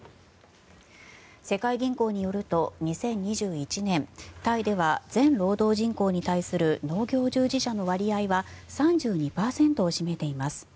世界銀行によると２０２１年タイでは全労働人口に対する農業従事者の割合は３２％を占めています。